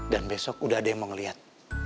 dan besok udah ada yang mau ngeliat